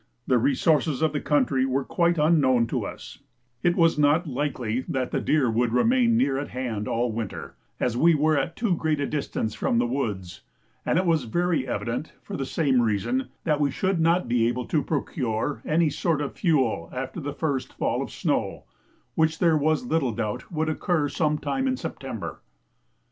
The resources of the country were quite unknown to us; it was not likely that the deer would remain near at hand all winter, as we were at too great a distance from the woods; and it was very evident, for the same reason, that we should not be able to procure any sort of fuel after the first fall of snow, which there was little doubt would occur some time in September.